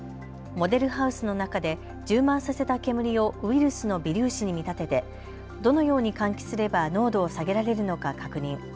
モデルハウスの中で充満させた煙をウイルスの微粒子に見立ててどのように換気すれば濃度を下げられるのか確認。